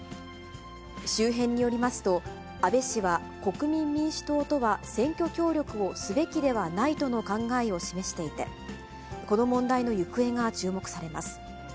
周辺によりますと、安倍氏は国民民主党とは選挙協力をすべきではないとの考えを示していて、この問題の行方が注目されます。